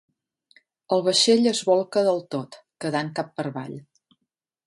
El vaixell es bolca del tot, quedant cap per avall.